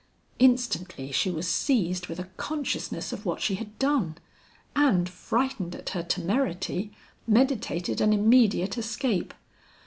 Instantly she was seized with a consciousness of what she had done, and frightened at her temerity, meditated an immediate escape.